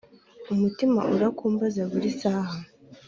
Umutima urakumbaza buri saha